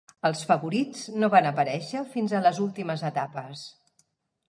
Els favorits no van aparèixer fins a les últimes etapes.